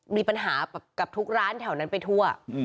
มีปัญหากับทุกร้านแถวนั้นไปทั่ว